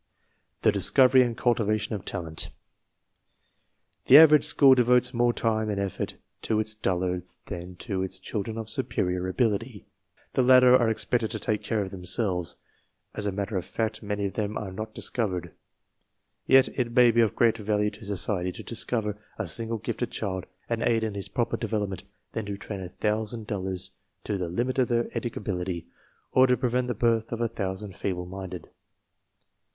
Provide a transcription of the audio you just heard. ^ The discovery and cultivation of talent. Thejixeuge school devotes more time and effort to its dullards than "to its children of. superior ability. The latter are ex pected to take care of themselves. As a matter of fact, many of them are not discovered. Yet it may be of greater value to society to discover a single gifted child and aid in his proper development than to train a thousand dullards to the limit of their educability or to prevent the birth of a thousand feeble minded.